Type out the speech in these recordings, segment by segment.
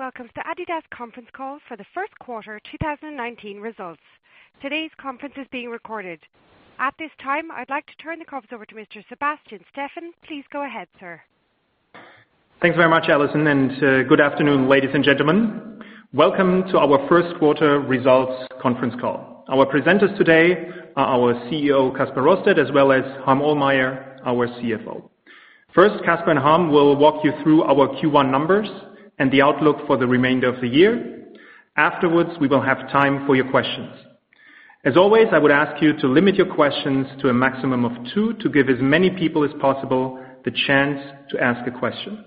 Welcome to adidas conference call for the first quarter 2019 results. Today's conference is being recorded. At this time, I'd like to turn the conference over to Mr. Sebastian Steffen. Please go ahead, sir. Thanks very much, Allison, good afternoon, ladies and gentlemen. Welcome to our first quarter results conference call. Our presenters today are our CEO, Kasper Rorsted, as well as Harm Ohlmeyer, our CFO. First, Kasper and Harm will walk you through our Q1 numbers and the outlook for the remainder of the year. Afterwards, we will have time for your questions. As always, I would ask you to limit your questions to a maximum of two to give as many people as possible the chance to ask a question.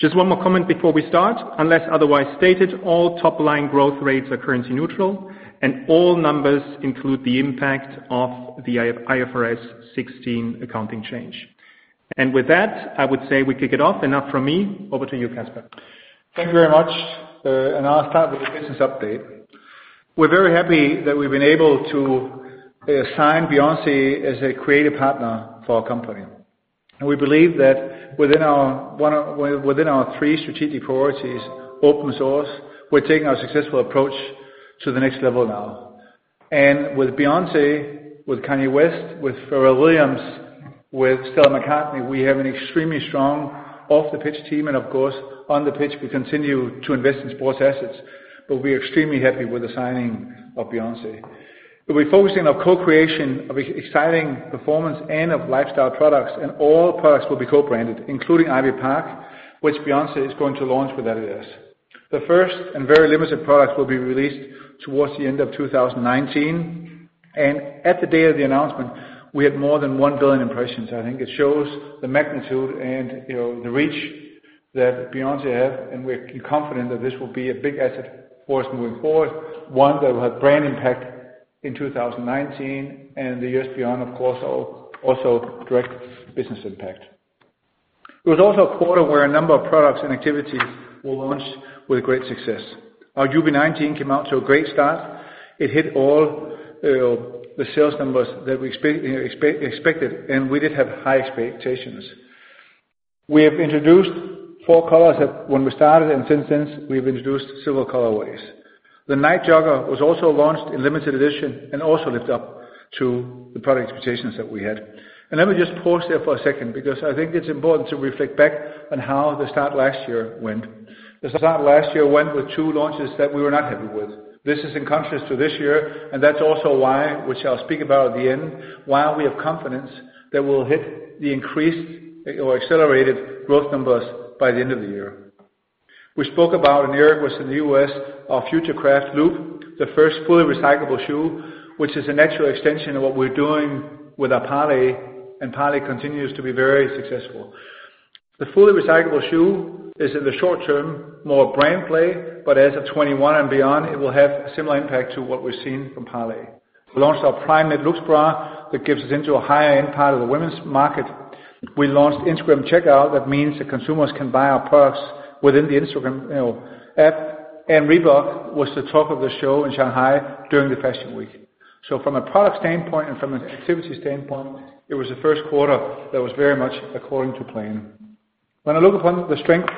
Just one more comment before we start. Unless otherwise stated, all top-line growth rates are currency neutral, and all numbers include the impact of the IFRS 16 accounting change. With that, I would say we kick it off. Enough from me. Over to you, Kasper. Thank you very much. I'll start with the business update. We're very happy that we've been able to sign Beyoncé as a creative partner for our company. We believe that within our three strategic priorities, Open Source, we're taking our successful approach to the next level now. With Beyoncé, with Kanye West, with Pharrell Williams, with Stella McCartney, we have an extremely strong off-the-pitch team, and of course, on the pitch, we continue to invest in sports assets, but we're extremely happy with the signing of Beyoncé. We'll be focusing on co-creation of exciting performance and of lifestyle products, and all products will be co-branded, including Ivy Park, which Beyoncé is going to launch with adidas. The first and very limited products will be released towards the end of 2019. At the day of the announcement, we had more than 1 billion impressions. I think it shows the magnitude and the reach that Beyoncé have, and we're confident that this will be a big asset for us moving forward, one that will have brand impact in 2019 and the years beyond, of course, also direct business impact. It was also a quarter where a number of products and activities were launched with great success. Our UB19 came out to a great start. It hit all the sales numbers that we expected, and we did have high expectations. We have introduced four colors when we started, and since then, we've introduced several colorways. The Nite Jogger was also launched in limited edition and also lived up to the product expectations that we had. Let me just pause there for a second because I think it's important to reflect back on how the start last year went. The start last year went with two launches that we were not happy with. This is in contrast to this year. That's also why, which I'll speak about at the end, why we have confidence that we'll hit the increased or accelerated growth numbers by the end of the year. We spoke about in Europe versus in the U.S., our FUTURECRAFT.LOOP, the first fully recyclable shoe, which is a natural extension of what we're doing with our Parley, and Parley continues to be very successful. The fully recyclable shoe is in the short term, more brand play, but as of 2021 and beyond, it will have a similar impact to what we're seeing from Parley. We launched our Primeknit Luxe bra that gets us into a higher-end part of the women's market. We launched Instagram checkout that means that consumers can buy our products within the Instagram app. Reebok was the talk of the show in Shanghai during the Fashion Week. From a product standpoint and from an activity standpoint, it was the first quarter that was very much according to plan. When I look upon the strength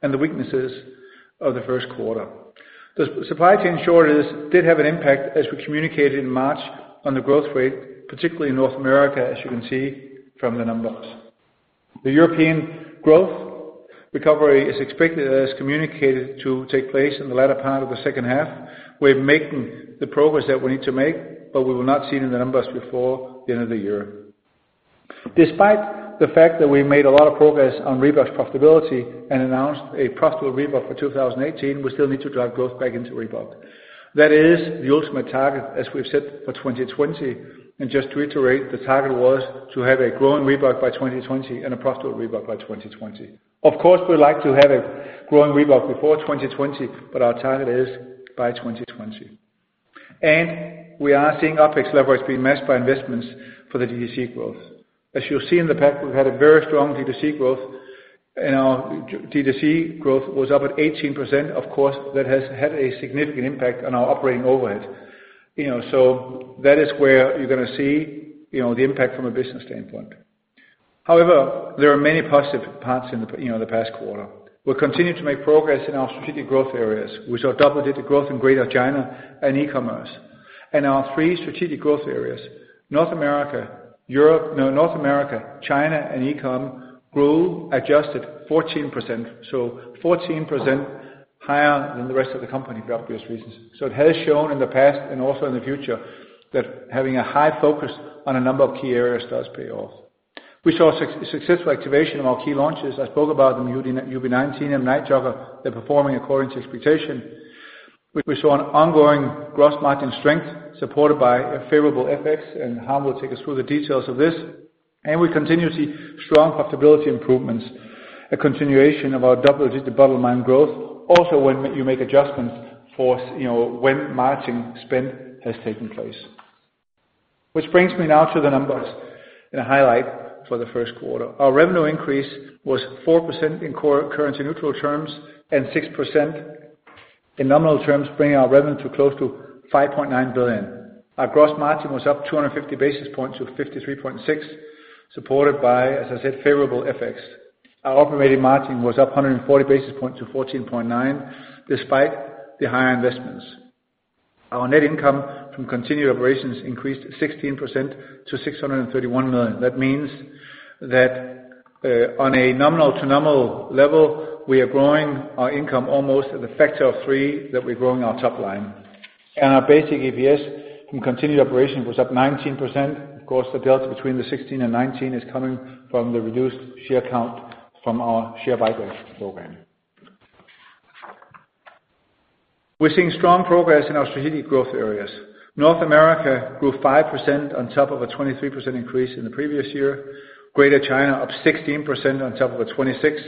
and the weaknesses of the first quarter, the supply chain shortages did have an impact, as we communicated in March, on the growth rate, particularly in North America, as you can see from the numbers. The European growth recovery is expected, as communicated, to take place in the latter part of the second half. We're making the progress that we need to make, but we will not see it in the numbers before the end of the year. Despite the fact that we made a lot of progress on Reebok's profitability and announced a profitable Reebok for 2018, we still need to drive growth back into Reebok. That is the ultimate target, as we've said, for 2020. Just to reiterate, the target was to have a growing Reebok by 2020 and a profitable Reebok by 2020. Of course, we'd like to have a growing Reebok before 2020, but our target is by 2020. We are seeing OpEx leverage being matched by investments for the D2C growth. As you'll see in the past, we've had a very strong D2C growth, and our D2C growth was up at 18%. Of course, that has had a significant impact on our operating overhead. That is where you're going to see the impact from a business standpoint. However, there are many positive parts in the past quarter. We'll continue to make progress in our strategic growth areas. We saw double-digit growth in Greater China and e-commerce. In our 3 strategic growth areas, North America, China, and e-com grew adjusted 14%, so 14% higher than the rest of the company for obvious reasons. It has shown in the past and also in the future that having a high focus on a number of key areas does pay off. We saw successful activation of our key launches. I spoke about the UB19 and Nite Jogger. They're performing according to expectation. We saw an ongoing gross margin strength supported by a favorable FX, and Harm will take us through the details of this. We continue to see strong profitability improvements, a continuation of our double-digit bottom-line growth also when you make adjustments for when margin spend has taken place. Which brings me now to the numbers and a highlight for the first quarter. Our revenue increase was 4% in currency neutral terms and 6% in nominal terms, bringing our revenue to close to 5.9 billion. Our gross margin was up 250 basis points to 53.6%, supported by, as I said, favorable FX. Our operating margin was up 140 basis points to 14.9%, despite the higher investments. Our net income from continued operations increased 16% to 631 million. That means that on a nominal-to-nominal level, we are growing our income almost at a factor of three, that we're growing our top line. Our basic EPS from continued operation was up 19%. Of course, the delta between the 16% and 19% is coming from the reduced share count from our share buyback program. We're seeing strong progress in our strategic growth areas. North America grew 5% on top of a 23% increase in the previous year. Greater China up 16% on top of a 26%.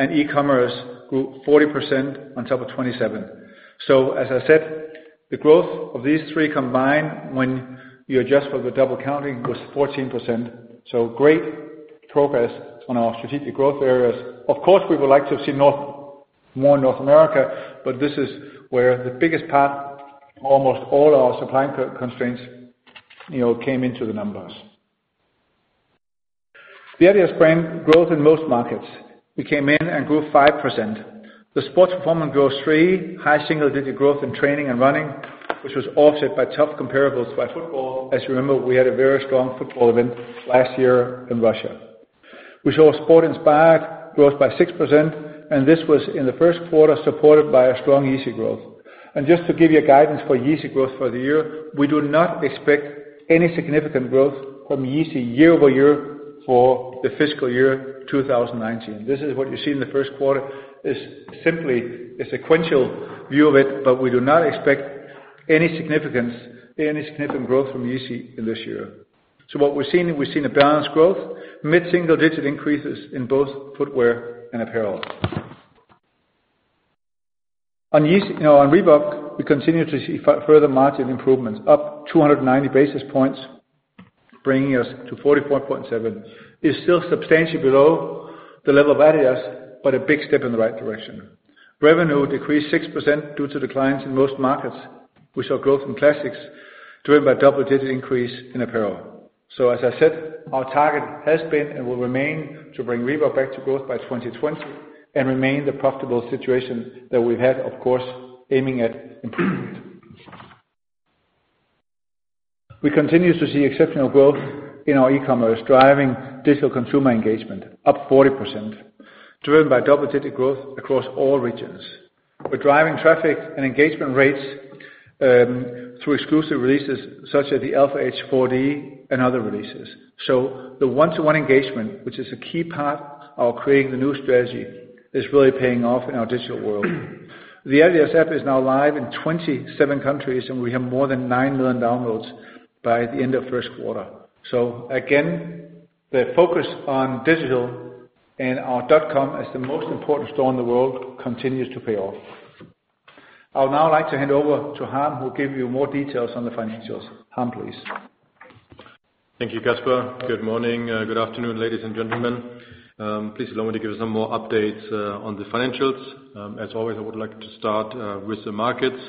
E-commerce grew 40% on top of 27%. As I said, the growth of these three combined when you adjust for the double counting, it was 14%. Great progress on our strategic growth areas. Of course, we would like to have seen more North America, but this is where the biggest part, almost all our supply constraints, came into the numbers. The adidas brand grows in most markets. We came in and grew 5%. The sports performance grows 3%, high single-digit growth in training and running, which was offset by tough comparables by football. As you remember, we had a very strong football event last year in Russia. We saw sport inspired growth by 6%, and this was in the first quarter supported by a strong Yeezy growth. Just to give you guidance for Yeezy growth for the year, we do not expect any significant growth from Yeezy year-over-year for the fiscal year 2019. This is what you see in the first quarter, is simply a sequential view of it, but we do not expect any significant growth from Yeezy in this year. What we've seen, we've seen a balanced growth, mid-single digit increases in both footwear and apparel. On Reebok, we continue to see further margin improvements, up 290 basis points, bringing us to 44.7%. It's still substantially below the level of adidas, but a big step in the right direction. Revenue decreased 6% due to declines in most markets. We saw growth in classics driven by double-digit increase in apparel. As I said, our target has been and will remain to bring Reebok back to growth by 2020 and remain the profitable situation that we've had, of course, aiming at improvement. We continue to see exceptional growth in our e-commerce, driving digital consumer engagement up 40%, driven by double-digit growth across all regions. We're driving traffic and engagement rates through exclusive releases such as the Alphaedge 4D and other releases. The one-to-one engagement, which is a key part of Creating the New strategy, is really paying off in our digital world. The adidas app is now live in 27 countries, and we have more than 9 million downloads by the end of first quarter. Again, the focus on digital and our dot-com as the most important store in the world continues to pay off. I would now like to hand over to Harm, who'll give you more details on the financials. Harm, please. Thank you, Kasper. Good morning. Good afternoon, ladies and gentlemen. Please allow me to give some more updates on the financials. As always, I would like to start with the markets.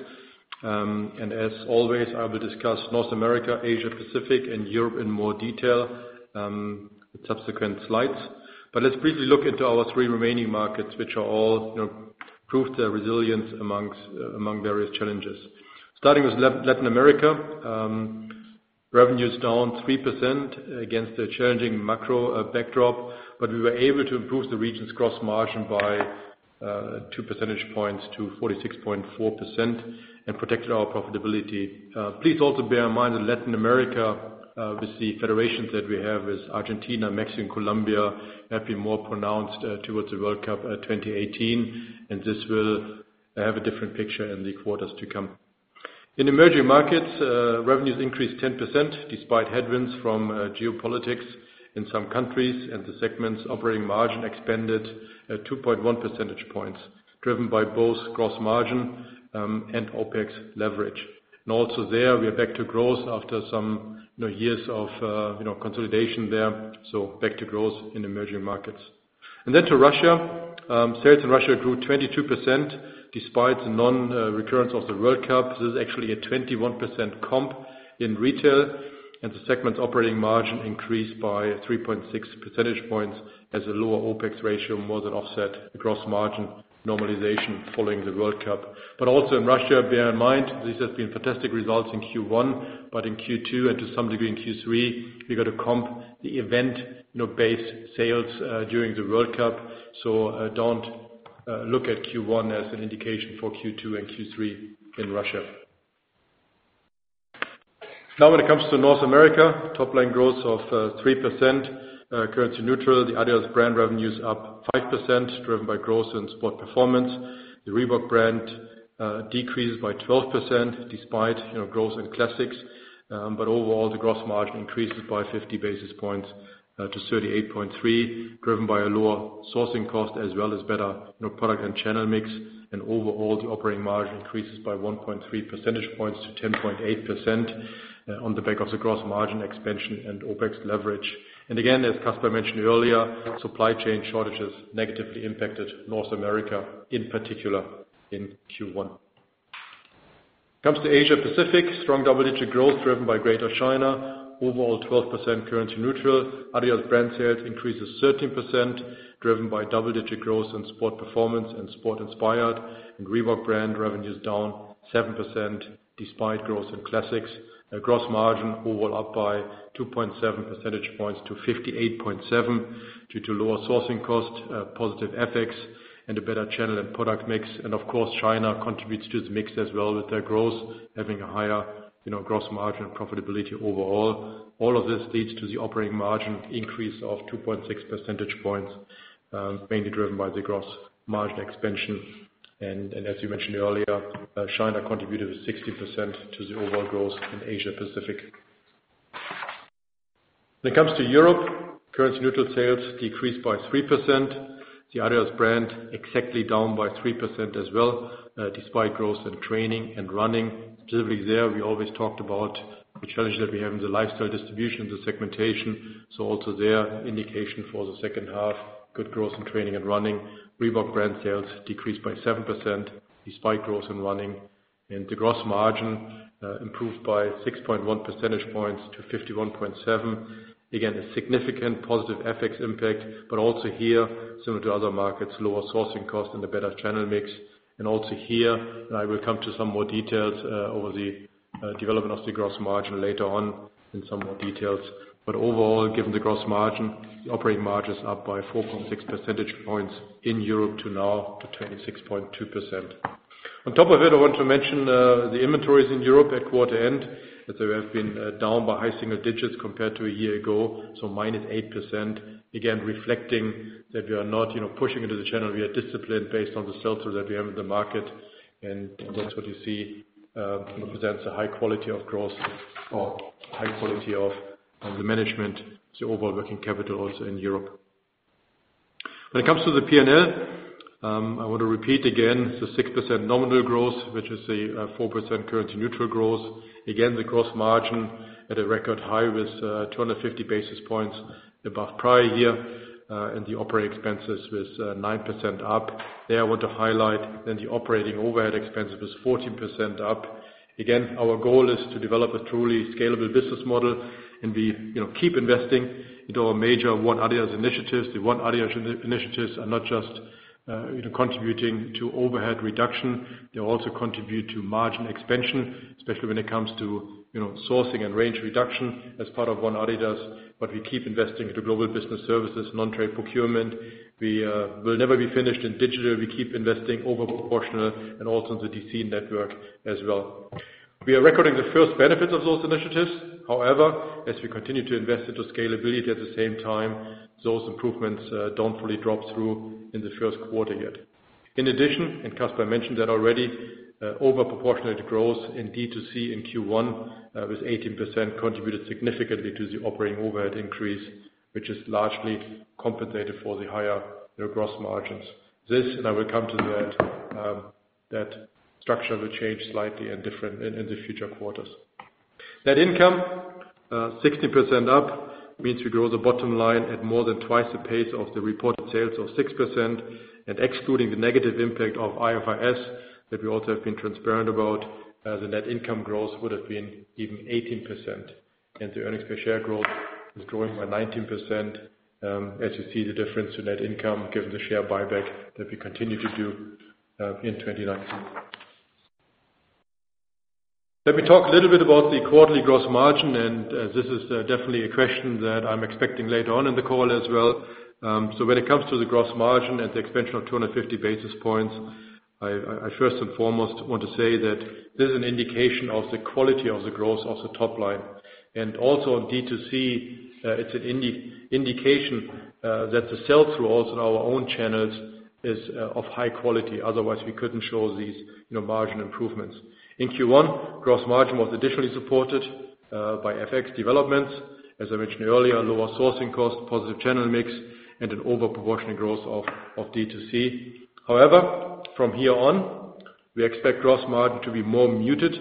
As always, I will discuss North America, Asia Pacific, and Europe in more detail in subsequent slides. Let's briefly look into our three remaining markets, which all proved their resilience among various challenges. Starting with Latin America. Revenues down 3% against a challenging macro backdrop, but we were able to improve the region's gross margin by two percentage points to 46.4% and protected our profitability. Please also bear in mind that Latin America with the federations that we have with Argentina, Mexico, and Colombia, have been more pronounced towards the World Cup 2018, and this will have a different picture in the quarters to come. In emerging markets, revenues increased 10% despite headwinds from geopolitics in some countries and the segment's operating margin expanded 2.1 percentage points, driven by both gross margin and OpEx leverage. Also there, we are back to growth after some years of consolidation there. Back to growth in emerging markets. Then to Russia. Sales in Russia grew 22% despite the non-recurrence of the World Cup. This is actually a 21% comp in retail, and the segment's operating margin increased by 3.6 percentage points as a lower OpEx ratio more than offset gross margin normalization following the World Cup. Also in Russia, bear in mind, this has been fantastic results in Q1, but in Q2 and to some degree in Q3, you got to comp the event-based sales during the World Cup. Don't look at Q1 as an indication for Q2 and Q3 in Russia. When it comes to North America, top line growth of 3%. Currency neutral, the adidas brand revenues up 5%, driven by growth in sport performance. The Reebok brand decreases by 12%, despite growth in classics. Overall, the gross margin increases by 50 basis points to 38.3%, driven by a lower sourcing cost as well as better product and channel mix. Overall, the operating margin increases by 1.3 percentage points to 10.8% on the back of the gross margin expansion and OpEx leverage. Again, as Kasper mentioned earlier, supply chain shortages negatively impacted North America, in particular in Q1. When it comes to Asia Pacific, strong double-digit growth driven by Greater China. Overall, 12% currency neutral. adidas brand sales increases 13%, driven by double-digit growth in sport performance and sport-inspired. Reebok brand revenues down 7%, despite growth in classics. Gross margin overall up by 2.7 percentage points to 58.7 due to lower sourcing costs, positive FX, a better channel and product mix. Of course, China contributes to this mix as well with their growth having a higher gross margin profitability overall. All of this leads to the operating margin increase of 2.6 percentage points, mainly driven by the gross margin expansion. As you mentioned earlier, China contributed 60% to the overall growth in Asia Pacific. When it comes to Europe, currency-neutral sales decreased by 3%. The adidas brand exactly down by 3% as well, despite growth in training and running. Specifically there, we always talked about the challenge that we have in the lifestyle distribution, the segmentation. Also there, indication for the second half, good growth in training and running. Reebok brand sales decreased by 7%, despite growth in running. The gross margin improved by 6.1 percentage points to 51.7. Again, a significant positive FX impact. Also here, similar to other markets, lower sourcing cost and a better channel mix. Also here, I will come to some more details over the development of the gross margin later on in some more details. Overall, given the gross margin, operating margin is up by 4.6 percentage points in Europe to now to 26.2%. On top of it, I want to mention the inventories in Europe at quarter end, that they have been down by high single digits compared to a year ago, so minus 8%. Again, reflecting that we are not pushing into the channel. We are disciplined based on the sell-through that we have in the market, and that's what you see represents a high quality of the management, the overall working capital also in Europe. When it comes to the P&L, I want to repeat again the 6% nominal growth, which is a 4% currency-neutral growth. Again, the gross margin at a record high with 250 basis points above prior year. The operating expenses with 9% up. There I want to highlight that the operating overhead expenses was 14% up. Again, our goal is to develop a truly scalable business model. We keep investing into our major ONE adidas initiatives. The ONE adidas initiatives are not just contributing to overhead reduction, they also contribute to margin expansion, especially when it comes to sourcing and range reduction as part of ONE adidas. We keep investing into global business services, nontrade procurement. We will never be finished in digital. We keep investing over proportional and also in the DC network as well. We are recording the first benefits of those initiatives. However, as we continue to invest into scalability at the same time, those improvements don't fully drop through in the first quarter yet. In addition, Kasper mentioned that already, over proportionate growth in D2C in Q1, with 18% contributed significantly to the operating overhead increase, which is largely compensated for the higher gross margins. This, I will come to that structure will change slightly and different in the future quarters. Net income, 60% up, means we grow the bottom line at more than twice the pace of the reported sales of 6%. Excluding the negative impact of IFRS that we also have been transparent about, the net income growth would have been even 18%. The earnings per share growth is growing by 19%, as you see the difference to net income given the share buyback that we continue to do in 2019. Let me talk a little bit about the quarterly gross margin. This is definitely a question that I'm expecting later on in the call as well. When it comes to the gross margin at the expansion of 250 basis points, I first and foremost want to say that this is an indication of the quality of the growth of the top line. Also in D2C, it's an indication that the sell-through also in our own channels is of high quality. Otherwise, we couldn't show these margin improvements. In Q1, gross margin was additionally supported by FX developments, as I mentioned earlier, lower sourcing cost, positive channel mix, and an over proportional growth of D2C. However, from here on, we expect gross margin to be more muted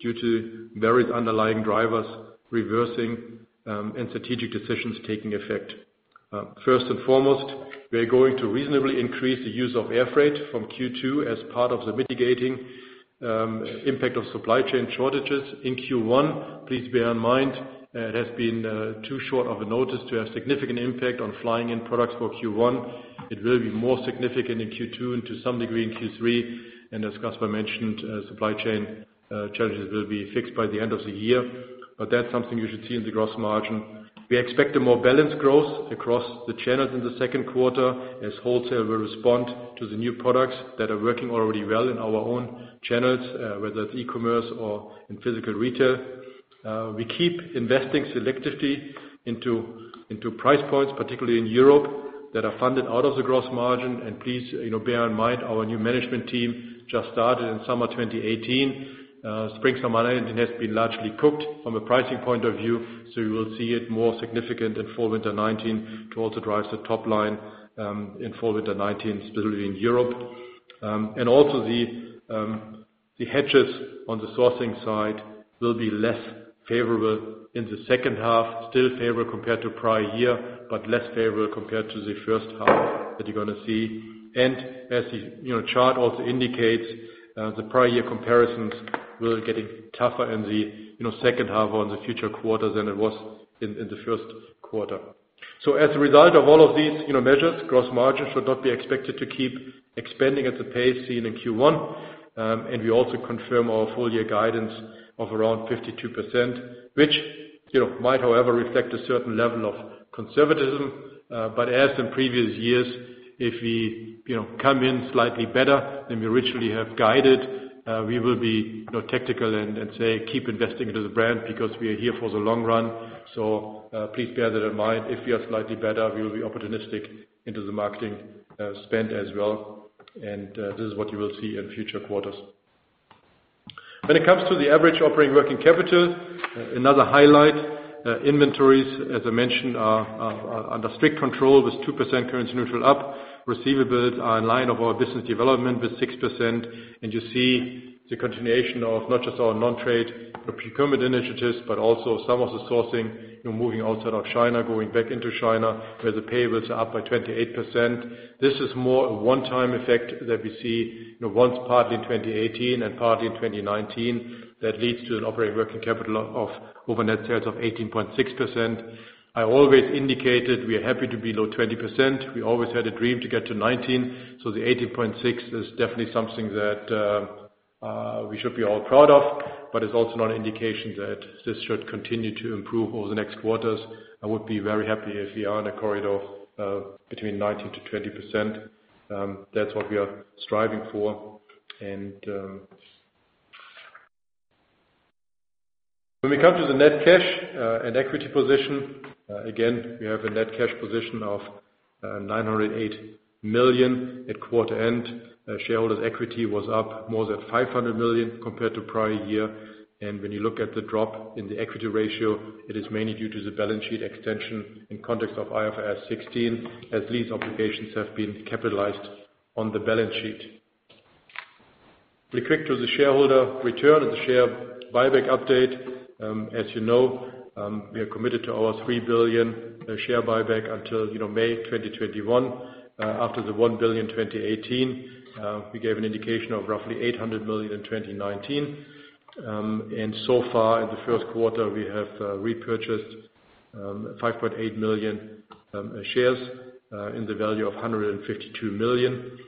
due to various underlying drivers reversing and strategic decisions taking effect. First and foremost, we are going to reasonably increase the use of air freight from Q2 as part of the mitigating impact of supply chain shortages in Q1. Please bear in mind, it has been too short of a notice to have significant impact on flying in products for Q1. It will be more significant in Q2 and to some degree in Q3. As Kasper mentioned, supply chain challenges will be fixed by the end of the year. That's something you should see in the gross margin. We expect a more balanced growth across the channels in the second quarter as wholesale will respond to the new products that are working already well in our own channels, whether it's e-commerce or in physical retail. We keep investing selectively into price points, particularly in Europe, that are funded out of the gross margin. Please bear in mind, our new management team just started in summer 2018. Spring/Summer has been largely cooked from a pricing point of view, you will see it more significant in Fall/Winter 2019 to also drive the top line in Fall/Winter 2019, especially in Europe. Also the hedges on the sourcing side will be less favorable in the second half, still favorable compared to prior year, but less favorable compared to the first half that you're going to see. As the chart also indicates, the prior year comparisons will getting tougher in the second half or in the future quarters than it was in the first quarter. As a result of all of these measures, gross margins should not be expected to keep expanding at the pace seen in Q1. We also confirm our full year guidance of around 52%, which might, however, reflect a certain level of conservatism. As in previous years, if we come in slightly better than we originally have guided, we will be tactical and say, "Keep investing into the brand," because we are here for the long run. Please bear that in mind. If we are slightly better, we will be opportunistic into the marketing spend as well. This is what you will see in future quarters. When it comes to the average operating working capital, another highlight, inventories, as I mentioned, are under strict control with 2% currency neutral up. Receivables are in line of our business development with 6%. You see the continuation of not just our non-trade procurement initiatives, but also some of the sourcing, moving outside of China, going back into China, where the payables are up by 28%. This is more a one-time effect that we see once partly in 2018 and partly in 2019 that leads to an operating working capital of open net sales of 18.6%. I always indicated we are happy to be below 20%. We always had a dream to get to 19%, so the 18.6% is definitely something that we should be all proud of. It's also not an indication that this should continue to improve over the next quarters. I would be very happy if we are in a corridor of between 19%-20%. That's what we are striving for. When we come to the net cash and equity position, again, we have a net cash position of 908 million at quarter end. Shareholders equity was up more than 500 million compared to prior year. When you look at the drop in the equity ratio, it is mainly due to the balance sheet extension in context of IFRS 16, as these obligations have been capitalized on the balance sheet. We click to the shareholder return and the share buyback update. As you know, we are committed to our 3 billion share buyback until May 2021. After the 1 billion 2018, we gave an indication of roughly 800 million in 2019. So far in the first quarter, we have repurchased 5.8 million shares in the value of 152 million.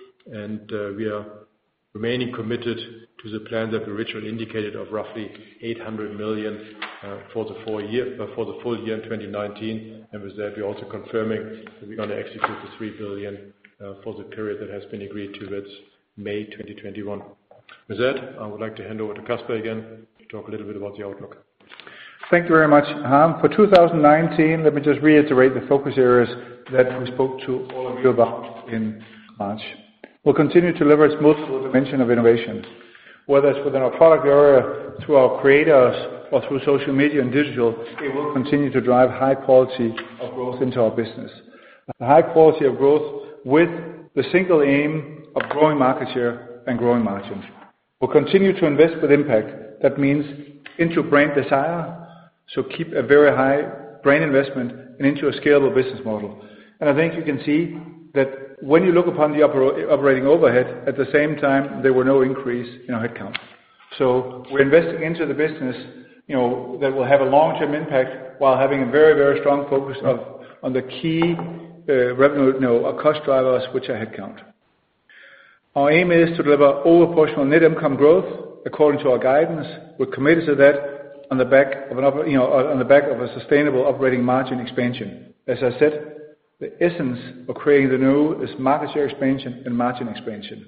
We are remaining committed to the plan that we originally indicated of roughly 800 million for the full year in 2019. With that, we're also confirming that we're going to execute the 3 billion for the period that has been agreed to, that's May 2021. With that, I would like to hand over to Kasper again to talk a little bit about the outlook. Thank you very much, Harm. For 2019, let me just reiterate the focus areas that we spoke to all of you about in March. We'll continue to leverage multiple dimension of innovation, whether it's within our product area, through our creators, or through social media and digital, we will continue to drive high quality of growth into our business. A high quality of growth with the single aim of growing market share and growing margins. We'll continue to invest with impact. That means into brand desire, so keep a very high brand investment and into a scalable business model. I think you can see that when you look upon the operating overhead, at the same time, there were no increase in our headcount. We're investing into the business that will have a long-term impact while having a very, very strong focus on the key revenue, our cost drivers, which are headcount. Our aim is to deliver all proportional net income growth according to our guidance. We're committed to that on the back of a sustainable operating margin expansion. As I said, the essence of Creating the New is market share expansion and margin expansion.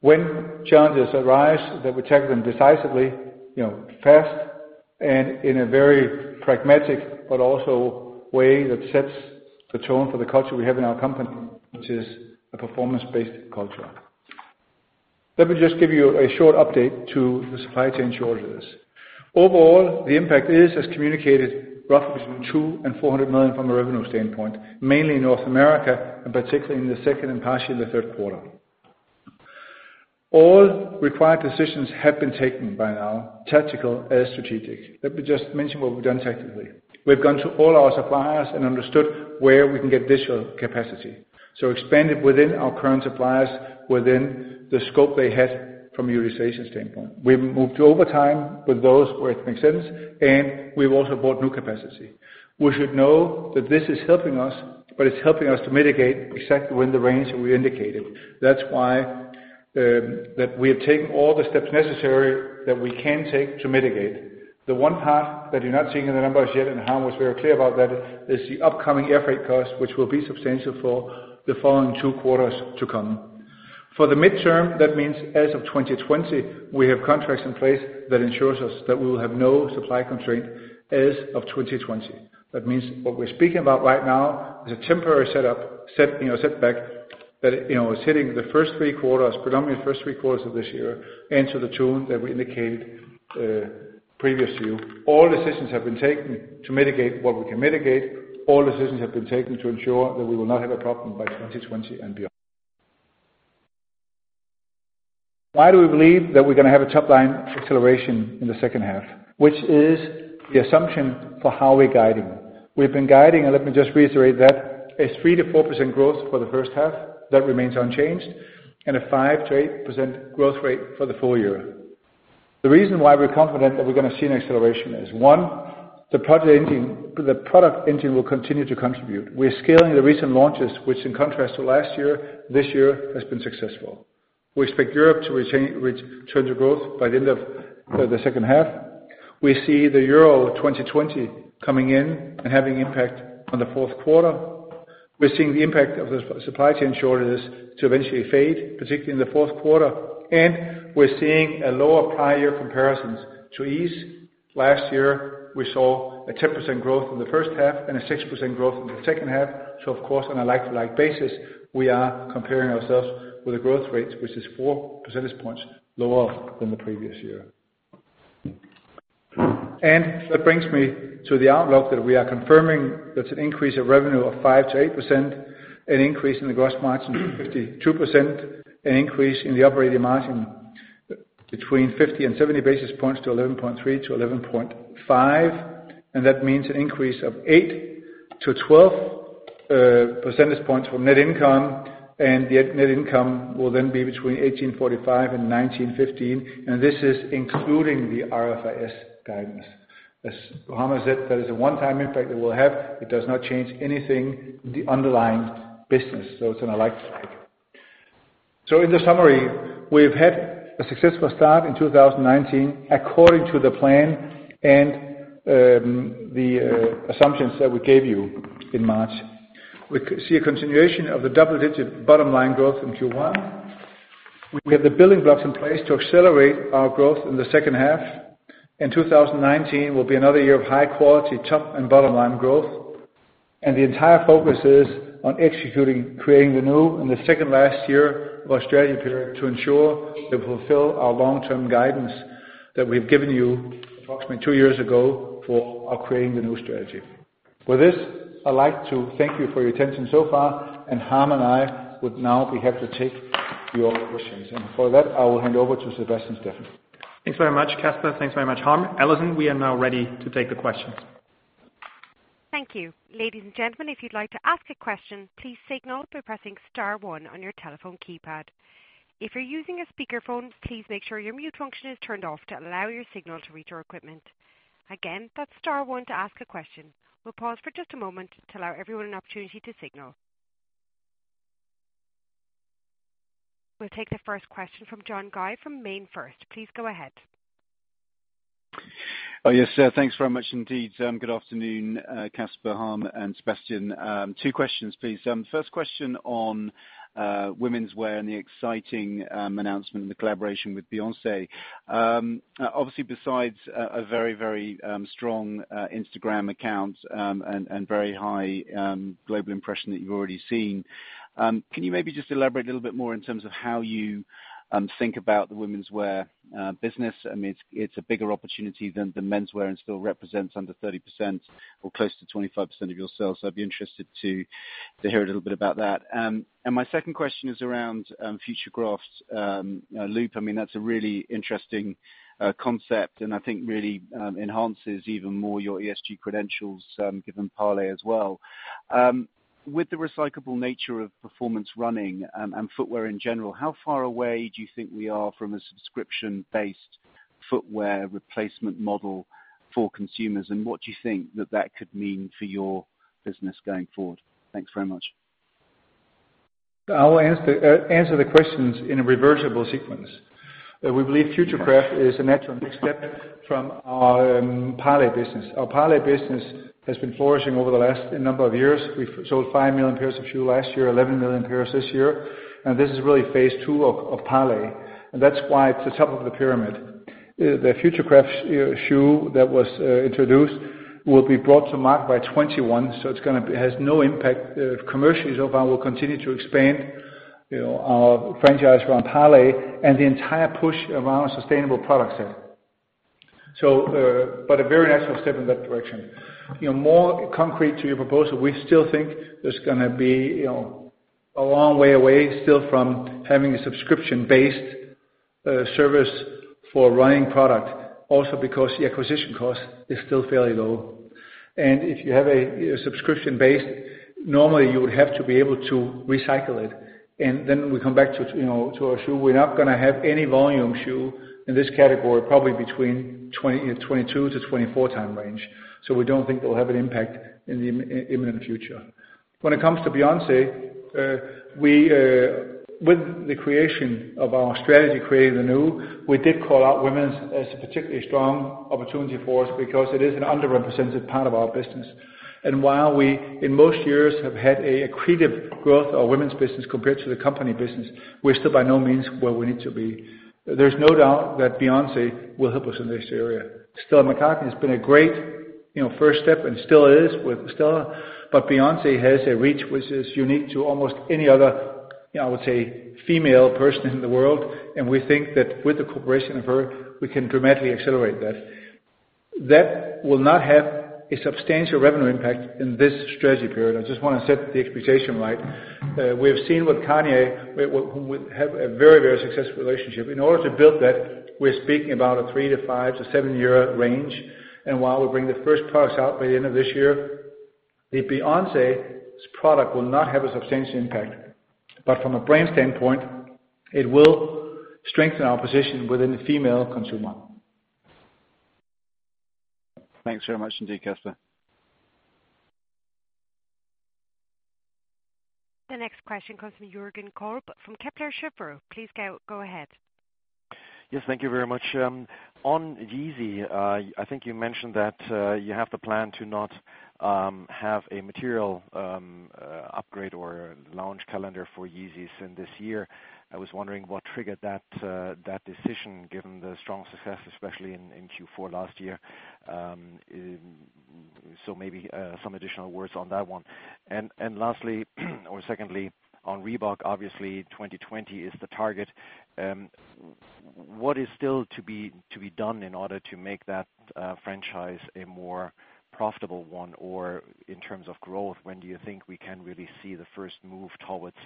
When challenges arise that we attack them decisively, fast, and in a very pragmatic, but also way that sets the tone for the culture we have in our company, which is a performance-based culture. Let me just give you a short update to the supply chain shortages. Overall, the impact is as communicated, roughly between 200 million and 400 million from a revenue standpoint, mainly in North America, and particularly in the second and partially in the third quarter. All required decisions have been taken by now, tactical and strategic. Let me just mention what we've done tactically. We've gone to all our suppliers and understood where we can get digital capacity. Expanded within our current suppliers within the scope they had from a utilization standpoint. We've moved to overtime with those where it makes sense, and we've also bought new capacity. We should know that this is helping us, but it's helping us to mitigate exactly when the range we indicated. That's why we have taken all the steps necessary that we can take to mitigate. The one part that you're not seeing in the numbers yet, Harm was very clear about that, is the upcoming air freight cost, which will be substantial for the following two quarters to come. For the midterm, that means as of 2020, we have contracts in place that ensures us that we will have no supply constraint as of 2020. That means what we're speaking about right now is a temporary setback that is hitting the first three quarters, predominantly first three quarters of this year, and to the tune that we indicated, previous to you. All decisions have been taken to mitigate what we can mitigate. All decisions have been taken to ensure that we will not have a problem by 2020 and beyond. Why do we believe that we're going to have a top-line acceleration in the second half? Which is the assumption for how we're guiding. We've been guiding, let me just reiterate that, is 3%-4% growth for the first half, that remains unchanged, and a 5%-8% growth rate for the full year. The reason why we're confident that we're going to see an acceleration is, one, the product engine will continue to contribute. We're scaling the recent launches, which in contrast to last year, this year has been successful. We expect Europe to return to growth by the end of the second half. We see the Euro 2020 coming in and having impact on the fourth quarter. We're seeing the impact of the supply chain shortages to eventually fade, particularly in the fourth quarter, and we're seeing a lower prior year comparisons to ease. Last year, we saw a 10% growth in the first half and a 6% growth in the second half. of course, on a like-to-like basis, we are comparing ourselves with a growth rate, which is four percentage points lower than the previous year. That brings me to the outlook that we are confirming. That's an increase of revenue of 5%-8%, an increase in the gross margin to 52%, an increase in the operating margin between 50 and 70 basis points to 11.3%-11.5%, and that means an increase of eight to 12 percentage points for net income. The net income will then be between 18.45 and 19.15, and this is including the IFRS guidance. As Harm said, that is a one-time impact it will have. It does not change anything with the underlying business. It's on a like-for-like. In the summary, we've had a successful start in 2019 according to the plan and the assumptions that we gave you in March. We see a continuation of the double-digit bottom-line growth in Q1. We have the building blocks in place to accelerate our growth in the second half, 2019 will be another year of high-quality top and bottom-line growth, and the entire focus is on executing Creating the New in the second last year of our strategy period to ensure we fulfill our long-term guidance that we've given you approximately two years ago for our Creating the New strategy. With this, I'd like to thank you for your attention so far, and Harm and I would now be happy to take your questions. For that, I will hand over to Sebastian Steffen. Thanks very much, Kasper. Thanks very much, Harm. Alison, we are now ready to take the questions. Thank you. Ladies and gentlemen, if you'd like to ask a question, please signal by pressing star one on your telephone keypad. If you're using a speakerphone, please make sure your mute function is turned off to allow your signal to reach our equipment. Again, that's star one to ask a question. We'll pause for just a moment to allow everyone an opportunity to signal. We'll take the first question from John Guy from MainFirst Bank. Please go ahead. Yes, thanks very much indeed. Good afternoon, Kasper, Harm, and Sebastian. Two questions, please. First question on womenswear and the exciting announcement and the collaboration with Beyoncé. Obviously, besides a very strong Instagram account and very high global impression that you've already seen, can you maybe just elaborate a little bit more in terms of how you think about the womenswear business? It's a bigger opportunity than the menswear and still represents under 30% or close to 25% of your sales, so I'd be interested to hear a little bit about that. My second question is around FUTURECRAFT.LOOP. That's a really interesting concept and I think really enhances even more your ESG credentials, given Parley as well. With the recyclable nature of performance running and footwear in general, how far away do you think we are from a subscription-based footwear replacement model for consumers, and what do you think that that could mean for your business going forward? Thanks very much. I will answer the questions in a reversible sequence. We believe Futurecraft is a natural next step from our Parley business. Our Parley business has been flourishing over the last number of years. We've sold five million pairs of shoes last year, 11 million pairs this year. This is really phase 2 of Parley, and that's why it's the top of the pyramid. The Futurecraft shoe that was introduced will be brought to market by 2021, so it has no impact commercially so far. We'll continue to expand our franchise around Parley and the entire push around sustainable product set. A very natural step in that direction. More concrete to your proposal, we still think there's going to be a long way away still from having a subscription-based service for running product, also because the acquisition cost is still fairly low. If you have a subscription base, normally you would have to be able to recycle it, and then we come back to our shoe. We're not going to have any volume shoe in this category, probably between 2022 to 2024 time range. We don't think it will have an impact in the imminent future. When it comes to Beyoncé, with the creation of our strategy, Creating the New, we did call out women's as a particularly strong opportunity for us because it is an underrepresented part of our business. While we, in most years, have had an accretive growth of women's business compared to the company business, we're still by no means where we need to be. There's no doubt that Beyoncé will help us in this area. Stella McCartney has been a great first step and still is with Stella, Beyoncé has a reach which is unique to almost any other, I would say, female person in the world, and we think that with the cooperation of her, we can dramatically accelerate that. That will not have a substantial revenue impact in this strategy period. I just want to set the expectation right. We have seen with Kanye, whom we have a very, very successful relationship. In order to build that, we're speaking about a three to five to seven year range. While we'll bring the first products out by the end of this year, the Beyoncé product will not have a substantial impact. From a brand standpoint, it will strengthen our position within the female consumer. Thanks very much indeed, Kasper. The next question comes from Jürgen Kolb from Kepler Cheuvreux. Please go ahead. Yes, thank you very much. On Yeezy, I think you mentioned that you have the plan to not have a material upgrade or launch calendar for Yeezy in this year. I was wondering what triggered that decision, given the strong success, especially in Q4 last year. Maybe some additional words on that one. Lastly, or secondly, on Reebok, obviously 2020 is the target. What is still to be done in order to make that franchise a more profitable one? In terms of growth, when do you think we can really see the first move towards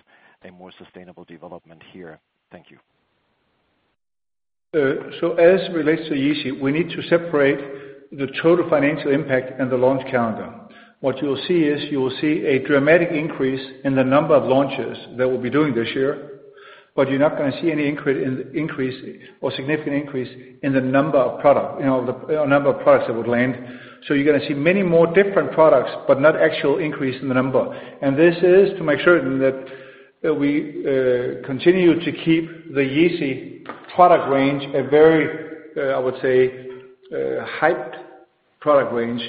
a more sustainable development here? Thank you. As it relates to Yeezy, we need to separate the total financial impact and the launch calendar. What you will see is, you will see a dramatic increase in the number of launches that we'll be doing this year, but you're not going to see any increase or significant increase in the number of products that would land. You're going to see many more different products, but not actual increase in the number. This is to make sure that we continue to keep the Yeezy product range a very, I would say, hyped product range.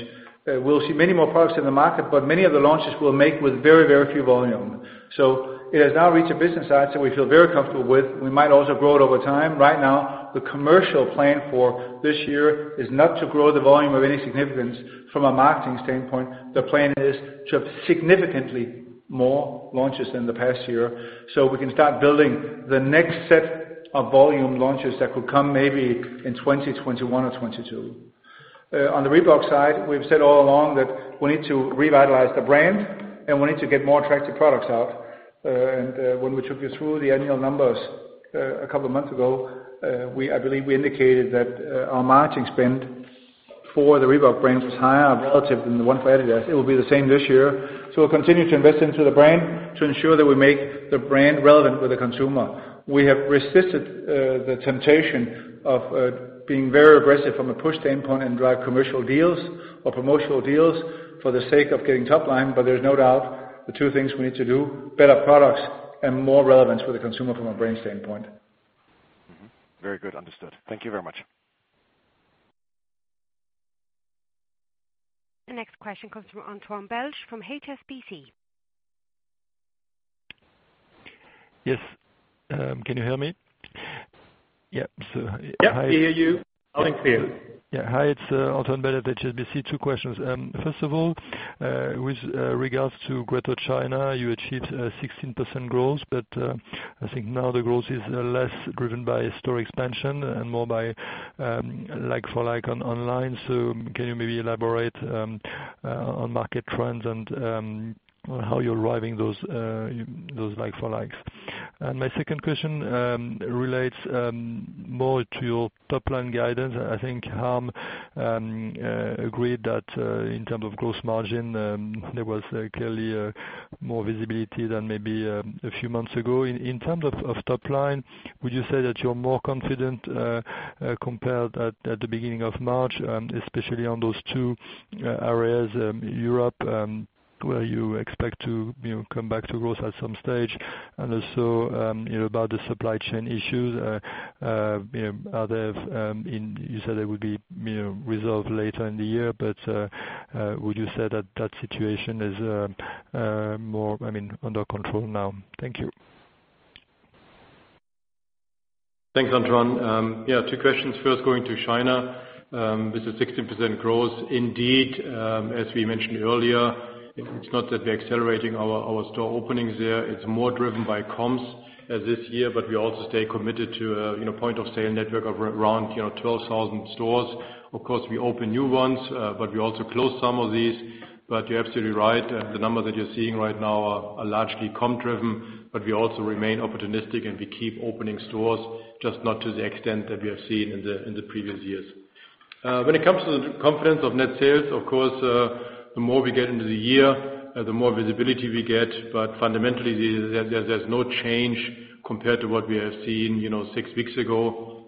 We'll see many more products in the market, but many of the launches we'll make with very, very few volume. It has now reached a business size that we feel very comfortable with. We might also grow it over time. Right now, the commercial plan for this year is not to grow the volume of any significance from a marketing standpoint. The plan is to have significantly more launches than the past year, so we can start building the next set of volume launches that could come maybe in 2021 or 2022. On the Reebok side, we've said all along that we need to revitalize the brand, we need to get more attractive products out. When we took you through the annual numbers a couple of months ago, I believe we indicated that our marketing spend for the Reebok brand was higher relative than the one for adidas. It will be the same this year. We'll continue to invest into the brand to ensure that we make the brand relevant with the consumer. We have resisted the temptation of being very aggressive from a push standpoint and drive commercial deals or promotional deals for the sake of getting top line, there's no doubt the two things we need to do, better products and more relevance for the consumer from a brand standpoint. Mm-hmm. Very good. Understood. Thank you very much. The next question comes from Antoine Belge from HSBC. Yes. Can you hear me? Yeah. Hi. Yeah, we hear you. Over to you. Yeah. Hi, it's Antoine Belge at HSBC. Two questions. First of all, with regards to Greater China, you achieved 16% growth, but I think now the growth is less driven by store expansion and more by like for like on online. Can you maybe elaborate on market trends and on how you're driving those like for likes? My second question relates more to your top-line guidance. I think Harm agreed that in terms of gross margin, there was clearly more visibility than maybe a few months ago. In terms of top line, would you say that you're more confident compared at the beginning of March, especially on those two areas, Europe, where you expect to come back to growth at some stage, and also, about the supply chain issues, you said they would be resolved later in the year, but would you say that that situation is more under control now? Thank you. Thanks, Antoine. Yeah, two questions. First, going to China, with the 16% growth, indeed, as we mentioned earlier, it's not that we're accelerating our store openings there. It's more driven by comms this year, but we also stay committed to a point of sale network of around 12,000 stores. Of course, we open new ones, but we also close some of these. You're absolutely right, the numbers that you're seeing right now are largely comm-driven, but we also remain opportunistic, and we keep opening stores, just not to the extent that we have seen in the previous years. When it comes to the confidence of net sales, of course, the more we get into the year, the more visibility we get. Fundamentally, there's no change compared to what we have seen six weeks ago.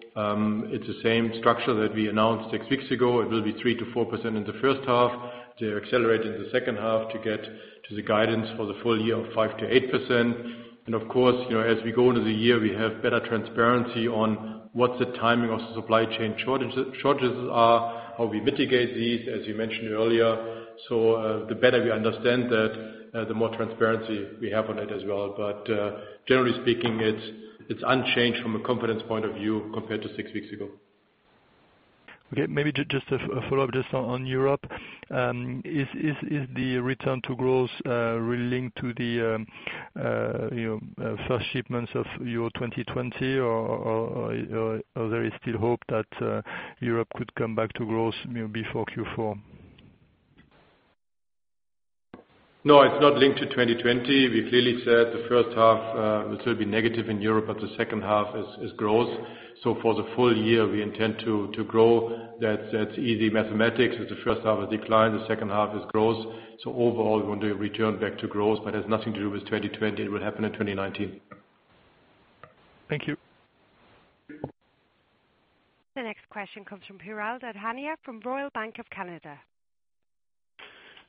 It's the same structure that we announced six weeks ago. It will be 3%-4% in the first half, to accelerate in the second half to get to the guidance for the full year of 5%-8%. Of course, as we go into the year, we have better transparency on what the timing of supply chain shortages are, how we mitigate these, as you mentioned earlier. The better we understand that, the more transparency we have on it as well. Generally speaking, it's unchanged from a confidence point of view compared to six weeks ago. Okay, maybe just a follow-up just on Europe. Is the return to growth really linked to the first shipments of your 2020, or there is still hope that Europe could come back to growth before Q4? It's not linked to 2020. We clearly said the first half will still be negative in Europe, but the second half is growth. For the full year, we intend to grow. That's easy mathematics. If the first half is decline, the second half is growth. Overall, we want to return back to growth, but it has nothing to do with 2020. It will happen in 2019. Thank you. The next question comes from Piral Dadhania from Royal Bank of Canada.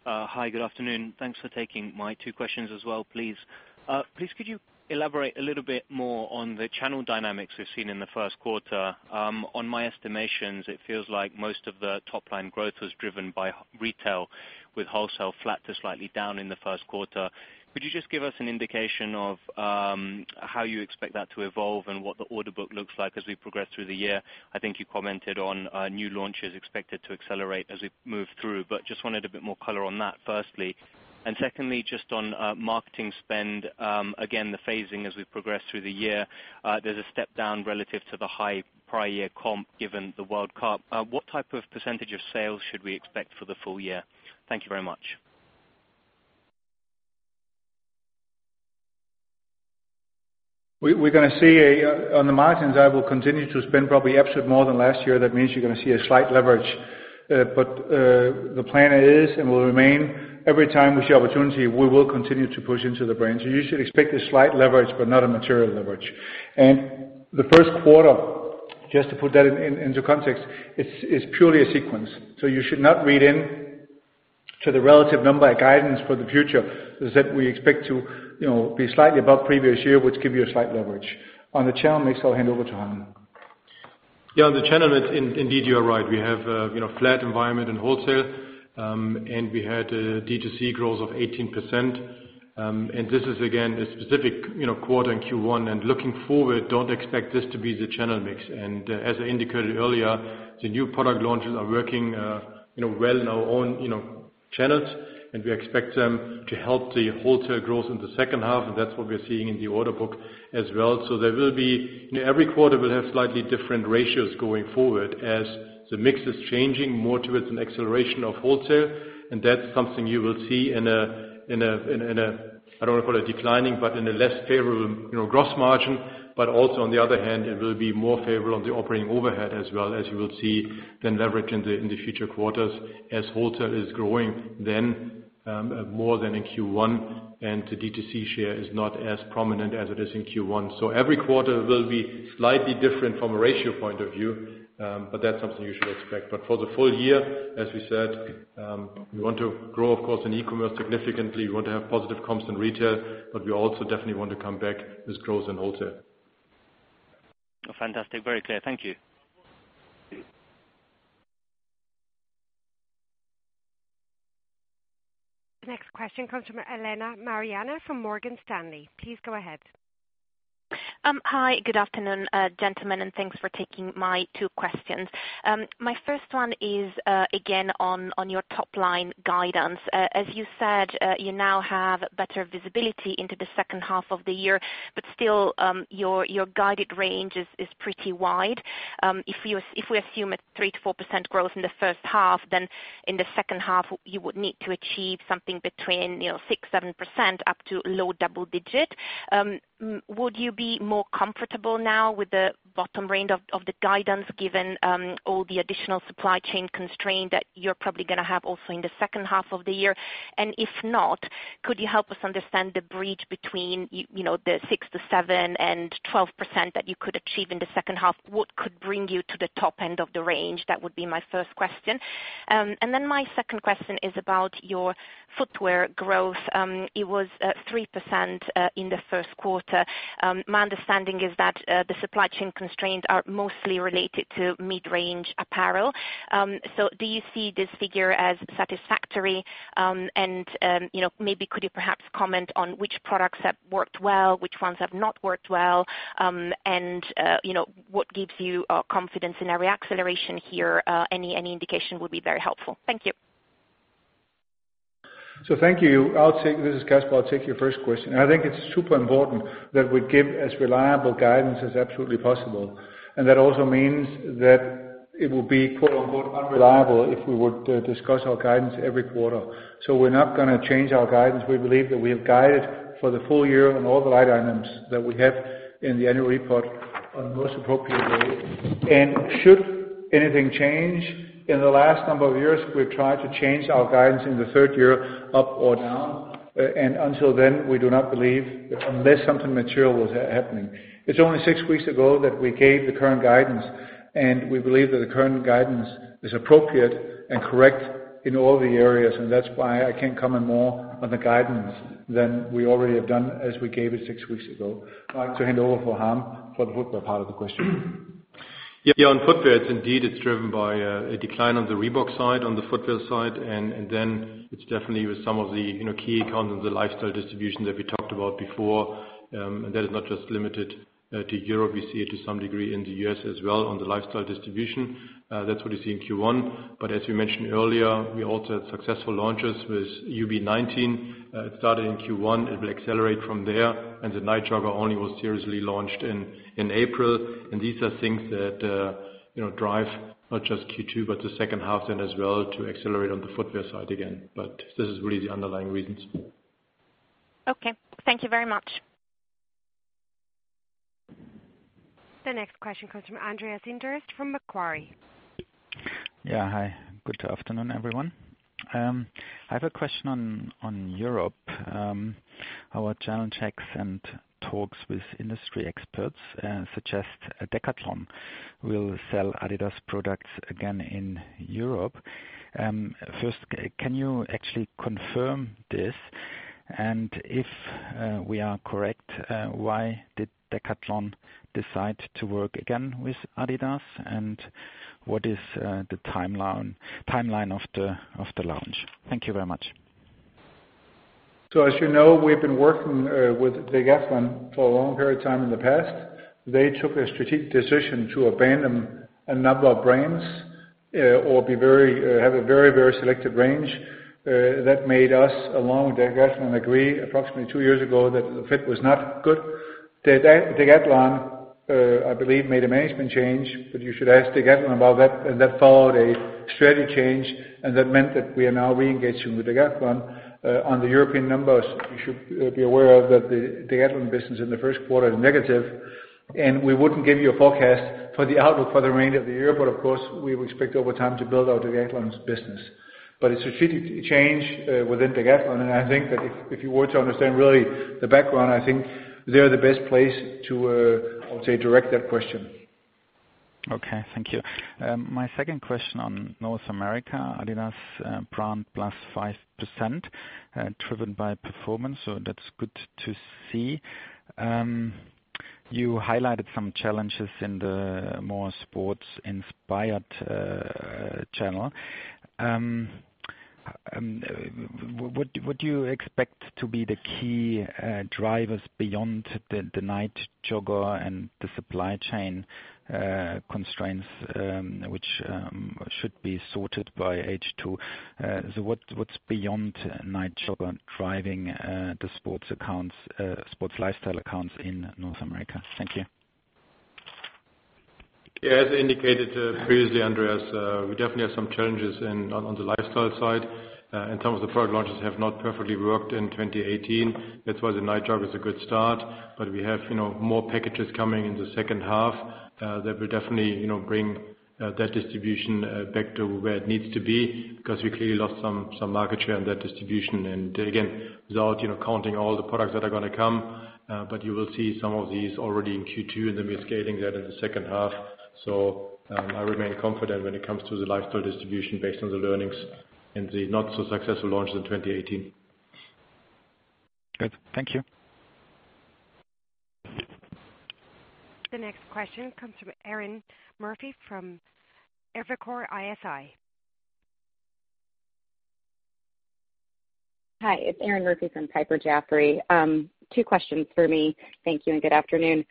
Hi, good afternoon. Thanks for taking my two questions as well, please. Please could you elaborate a little bit more on the channel dynamics we've seen in the first quarter? On my estimations, it feels like most of the top-line growth was driven by retail, with wholesale flat to slightly down in the first quarter. Could you just give us an indication of how you expect that to evolve and what the order book looks like as we progress through the year? I think you commented on new launches expected to accelerate as we move through, but just wanted a bit more color on that, firstly. Secondly, just on marketing spend, again, the phasing as we progress through the year. There's a step down relative to the high prior year comp given the World Cup. What type of % of sales should we expect for the full year? Thank you very much. We're going to see on the margins, I will continue to spend probably absolute more than last year. That means you're going to see a slight leverage. The plan is and will remain every time we see opportunity, we will continue to push into the brands. You should expect a slight leverage but not a material leverage. The first quarter, just to put that into context, is purely a sequence. You should not read in to the relative number of guidance for the future is that we expect to be slightly above previous year, which give you a slight leverage. On the channel mix, I'll hand over to Harm. On the channel mix indeed, you are right. We have a flat environment in wholesale. We had a D2C growth of 18%. This is again, a specific quarter in Q1. Looking forward, don't expect this to be the channel mix. As I indicated earlier, the new product launches are working well in our own channels, and we expect them to help the wholesale growth in the second half, and that's what we're seeing in the order book as well. Every quarter will have slightly different ratios going forward as the mix is changing more towards an acceleration of wholesale, and that's something you will see in a, I don't want to call it declining, but in a less favorable gross margin. Also on the other hand, it will be more favorable on the operating overhead as well, as you will see then leverage in the future quarters as wholesale is growing then more than in Q1, and the D2C share is not as prominent as it is in Q1. Every quarter will be slightly different from a ratio point of view, but that's something you should expect. For the full year, as we said, we want to grow, of course, in e-commerce significantly. We want to have positive comps in retail, but we also definitely want to come back with growth in wholesale. Fantastic. Very clear. Thank you. The next question comes from Elena Mariani from Morgan Stanley. Please go ahead. Hi. Good afternoon, gentlemen. Thanks for taking my two questions. My first one is again on your top-line guidance. As you said, you now have better visibility into the second half of the year. Still, your guided range is pretty wide. If we assume a 3%-4% growth in the first half, in the second half you would need to achieve something between 6%, 7% up to low double digit. Would you be more comfortable now with the bottom range of the guidance given all the additional supply chain constraint that you're probably going to have also in the second half of the year? If not, could you help us understand the bridge between the 6%-7% and 12% that you could achieve in the second half? What could bring you to the top end of the range? That would be my first question. My second question is about your footwear growth. It was 3% in the first quarter. My understanding is that the supply chain constraints are mostly related to mid-range apparel. Do you see this figure as satisfactory? Maybe could you perhaps comment on which products have worked well, which ones have not worked well? What gives you confidence in a re-acceleration here? Any indication would be very helpful. Thank you. Thank you. This is Kasper. I'll take your first question. I think it's super important that we give as reliable guidance as absolutely possible. That also means that it will be quote-unquote unreliable if we were to discuss our guidance every quarter. We're not going to change our guidance. We believe that we have guided for the full year on all the right items that we have in the annual report on the most appropriate way. Should anything change, in the last number of years, we've tried to change our guidance in the third year up or down, and until then, we do not believe, unless something material was happening. It's only six weeks ago that we gave the current guidance, and we believe that the current guidance is appropriate and correct in all the areas. That's why I can't comment more on the guidance than we already have done as we gave it six weeks ago. I'll hand over for Harm for the footwear part of the question. On footwear, indeed, it's driven by a decline on the Reebok side, on the footwear side. It's definitely with some of the key accounts in the lifestyle distribution that we talked about before. That is not just limited to Europe. We see it to some degree in the U.S. as well on the lifestyle distribution. That's what you see in Q1. As we mentioned earlier, we also had successful launches with UB19. It started in Q1, it will accelerate from there. The Nite Jogger only was seriously launched in April. These are things that drive not just Q2, but the second half then as well to accelerate on the footwear side again. This is really the underlying reasons. Thank you very much. The next question comes from Andreas Inderst from Macquarie. Yeah, hi. Good afternoon, everyone. I have a question on Europe. Our channel checks and talks with industry experts suggest Decathlon will sell adidas products again in Europe. First, can you actually confirm this? If we are correct, why did Decathlon decide to work again with adidas? What is the timeline of the launch? Thank you very much. As you know, we've been working with Decathlon for a long period of time in the past. They took a strategic decision to abandon a number of brands or have a very selective range. That made us, along with Decathlon, agree approximately two years ago that the fit was not good. Decathlon, I believe, made a management change, but you should ask Decathlon about that, and that followed a strategy change, and that meant that we are now re-engaging with Decathlon. On the European numbers, you should be aware of that the Decathlon business in the first quarter is negative. We wouldn't give you a forecast for the outlook for the remainder of the year. Of course, we would expect over time to build out Decathlon's business. A strategic change within Decathlon. I think that if you were to understand really the background, I think they're the best place to, I would say, direct that question. Okay. Thank you. My second question on North America, adidas brand plus 5% driven by performance, that's good to see. You highlighted some challenges in the more sports-inspired channel. What do you expect to be the key drivers beyond the Nite Jogger and the supply chain constraints, which should be sorted by H2? What's beyond Nite Jogger driving the sports lifestyle accounts in North America? Thank you. As indicated previously, Andreas, we definitely have some challenges on the lifestyle side in terms of the product launches have not perfectly worked in 2018. That's why the Nite Jogger is a good start, but we have more packages coming in the second half that will definitely bring that distribution back to where it needs to be because we clearly lost some market share in that distribution. Again, without counting all the products that are going to come, but you will see some of these already in Q2, then we're scaling that in the second half. I remain confident when it comes to the lifestyle distribution based on the learnings and the not-so-successful launch in 2018. Good. Thank you. The next question comes from Erinn Murphy from Evercore ISI. Hi, it's Erinn Murphy from Evercore ISI. Two questions for me. Thank you and good afternoon.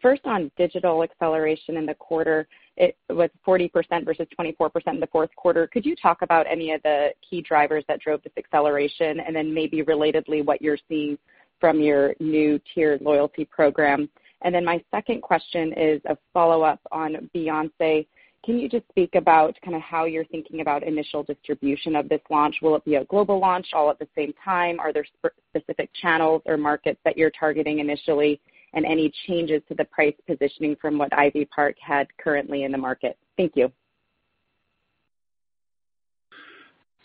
First, on digital acceleration in the quarter, it was 40% versus 24% in the fourth quarter. Could you talk about any of the key drivers that drove this acceleration, and then maybe relatedly what you're seeing from your new tiered loyalty program? My second question is a follow-up on Beyoncé. Can you just speak about how you're thinking about initial distribution of this launch? Will it be a global launch all at the same time? Are there specific channels or markets that you're targeting initially? Any changes to the price positioning from what Ivy Park had currently in the market? Thank you.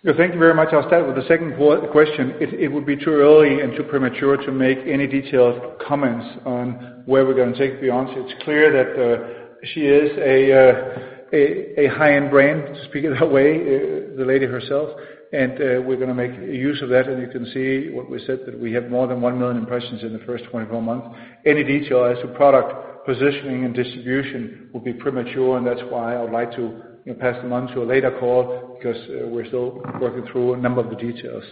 Thank you very much. I'll start with the second question. It would be too early and too premature to make any detailed comments on where we're going to take Beyoncé. It's clear that she is a high-end brand, to put it that way, the lady herself, and we're going to make use of that, and you can see what we said, that we have more than 1 million impressions in the first 24 months. Any detail as to product positioning and distribution would be premature, and that's why I would like to pass them on to a later call because we're still working through a number of the details.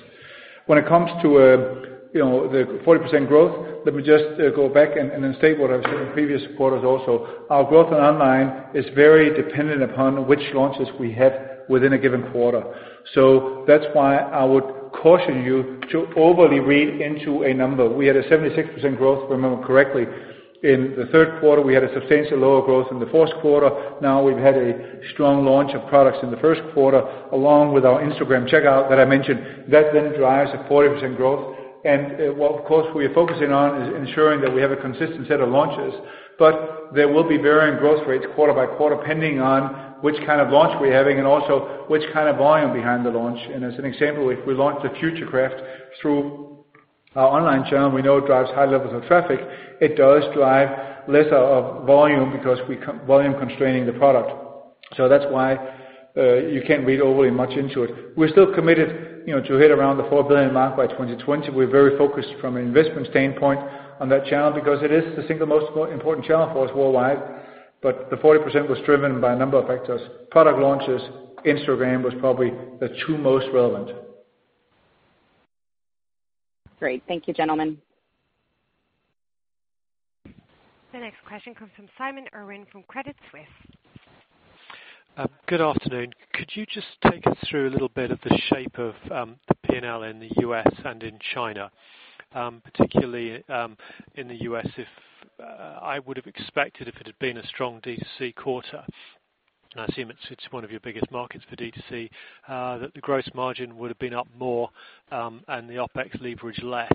When it comes to the 40% growth, let me just go back and then state what I've said in previous quarters also. Our growth in online is very dependent upon which launches we have within a given quarter. That's why I would caution you to overly read into a number. We had a 76% growth, if I remember correctly, in the third quarter. We had a substantially lower growth in the fourth quarter. Now we've had a strong launch of products in the first quarter, along with our Instagram checkout that I mentioned. That then drives a 40% growth. What, of course, we are focusing on is ensuring that we have a consistent set of launches. There will be varying growth rates quarter by quarter, depending on which kind of launch we're having and also which kind of volume behind the launch. As an example, if we launch the FUTURECRAFT.LOOP through our online channel, we know it drives high levels of traffic. It does drive lesser of volume because we're volume constraining the product. That's why you can't read overly much into it. We're still committed to hit around the 4 billion mark by 2020. We're very focused from an investment standpoint on that channel because it is the single most important channel for us worldwide. The 40% was driven by a number of factors. Product launches, Instagram was probably the two most relevant. Great. Thank you, gentlemen. The next question comes from Simon Irwin from Credit Suisse. Good afternoon. Could you just take us through a little bit of the shape of the P&L in the U.S. and in China? Particularly in the U.S., I would have expected if it had been a strong D2C quarter. I assume it's one of your biggest markets for D2C, that the gross margin would have been up more and the OpEx leverage less,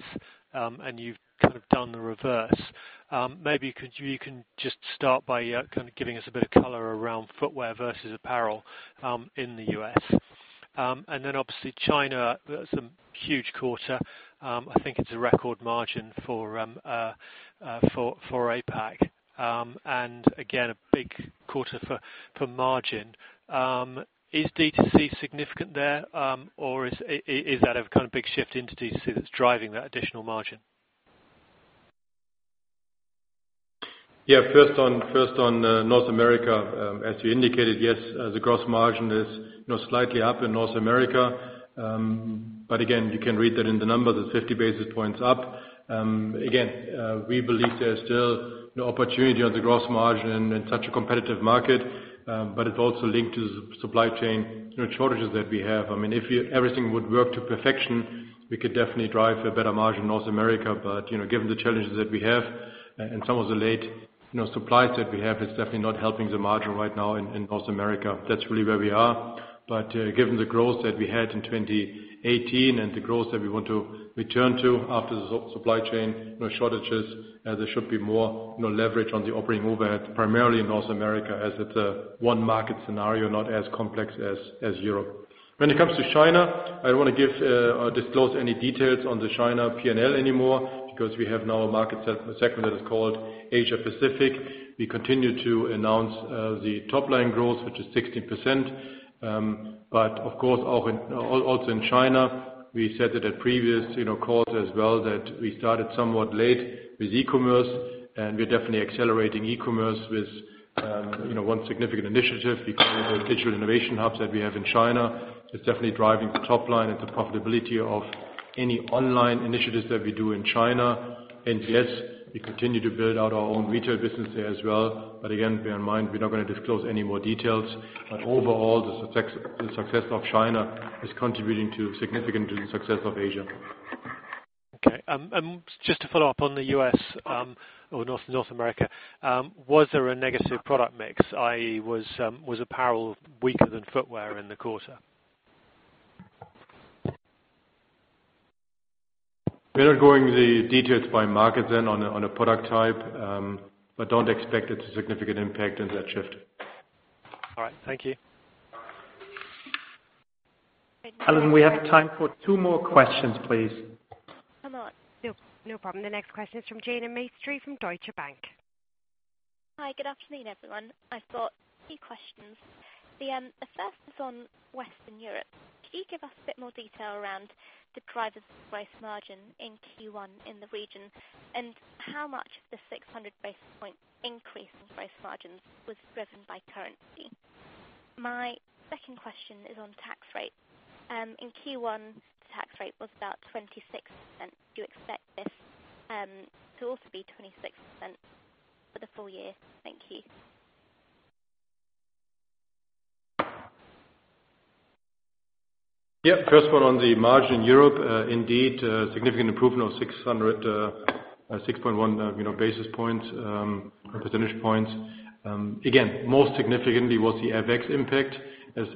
and you've kind of done the reverse. Maybe you can just start by giving us a bit of color around footwear versus apparel in the U.S. Then obviously China, that's a huge quarter. I think it's a record margin for APAC. Again, a big quarter for margin. Is D2C significant there? Or is that a kind of big shift into D2C that's driving that additional margin? Yeah. First on North America, as you indicated, yes, the gross margin is slightly up in North America. Again, you can read that in the numbers, it's 50 basis points up. Again, we believe there's still the opportunity on the gross margin in such a competitive market, but it also linked to the supply chain shortages that we have. If everything would work to perfection, we could definitely drive a better margin in North America. Given the challenges that we have and some of the late supplies that we have, it's definitely not helping the margin right now in North America. That's really where we are. Given the growth that we had in 2018 and the growth that we want to return to after the supply chain shortages, there should be more leverage on the operating overhead, primarily in North America, as it's a one-market scenario, not as complex as Europe. When it comes to China, I don't want to disclose any details on the China P&L anymore because we have now a market segment that is called Asia Pacific. We continue to announce the top-line growth, which is 16%. Of course, also in China, we said at a previous quarter as well that we started somewhat late with e-commerce, and we're definitely accelerating e-commerce with one significant initiative because of the digital innovation hubs that we have in China. It's definitely driving the top line and the profitability of any online initiatives that we do in China. Yes, we continue to build out our own retail business there as well. Again, bear in mind, we're not going to disclose any more details. Overall, the success of China is contributing to significant success of Asia. Okay. Just to follow up on the U.S. or North America, was there a negative product mix, i.e., was apparel weaker than footwear in the quarter? We are going the details by market then on a product type, don't expect it to significant impact in that shift. All right. Thank you. Alison, we have time for two more questions, please. Hello. No problem. The next question is from Jayne Mistry from Deutsche Bank. Hi. Good afternoon, everyone. I've got two questions. The first is on Western Europe. Could you give us a bit more detail around the price margin in Q1 in the region, and how much of the 600 basis point increase in price margins was driven by currency? My second question is on tax rate. In Q1, the tax rate was about 26%. Do you expect this to also be 26% for the full year? Thank you. Yeah. First one on the margin, Europe, indeed, a significant improvement of 6.1 percentage points. Again, most significantly was the FX impact as,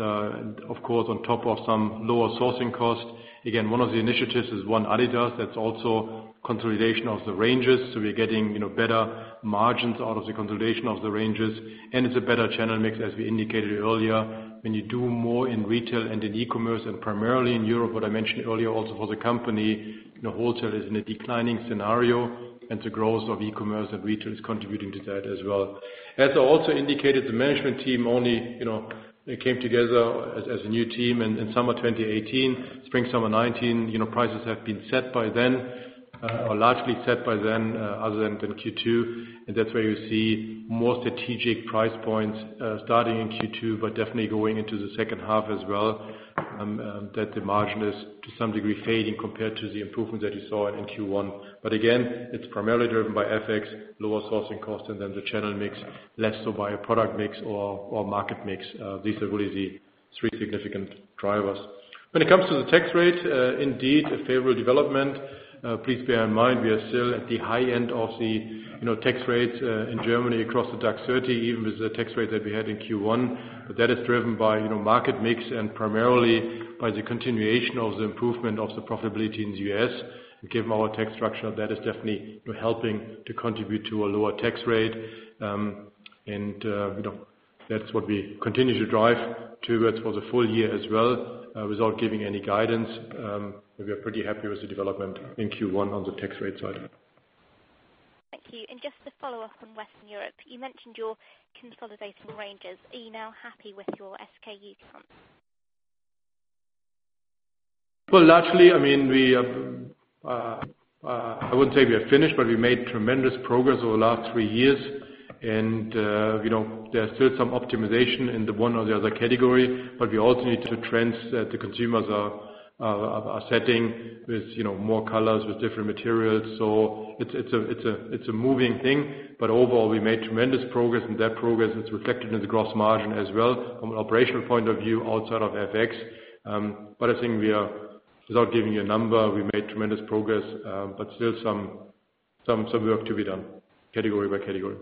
of course, on top of some lower sourcing cost. Again, one of the initiatives is ONE adidas, that is also consolidation of the ranges. We are getting better margins out of the consolidation of the ranges, and it is a better channel mix, as we indicated earlier. When you do more in retail and in e-commerce, and primarily in Europe, what I mentioned earlier also for the company, wholesale is in a declining scenario, and the growth of e-commerce and retail is contributing to that as well. As I also indicated, the management team only came together as a new team in summer 2018. Spring, summer 2019, prices have been set by then or largely set by then, other than Q2. That is where you see more strategic price points starting in Q2, but definitely going into the second half as well, that the margin is to some degree fading compared to the improvements that you saw in Q1. Again, it is primarily driven by FX, lower sourcing cost, and then the channel mix, less so by a product mix or market mix. These are really the three significant drivers. When it comes to the tax rate, indeed a favorable development. Please bear in mind, we are still at the high end of the tax rate in Germany across the DAX 30, even with the tax rate that we had in Q1. That is driven by market mix and primarily by the continuation of the improvement of the profitability in the U.S. Given our tax structure, that is definitely helping to contribute to a lower tax rate. That is what we continue to drive towards for the full year as well. Without giving any guidance, we are pretty happy with the development in Q1 on the tax rate side. Thank you. Just to follow up on Western Europe, you mentioned your consolidation ranges. Are you now happy with your SKU count? Well, largely, I wouldn't say we are finished, but we made tremendous progress over the last three years. There are still some optimization in the one or the other category, but we also need the trends that the consumers are setting with more colors, with different materials. It's a moving thing, but overall, we made tremendous progress, and that progress is reflected in the gross margin as well from an operational point of view outside of FX. I think without giving you a number, we made tremendous progress, but still some Some work to be done category by category.